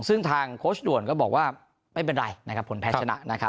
ซึ่งทางโค้ชด่วนก็บอกว่าไม่เป็นไรนะครับผลแพ้ชนะนะครับ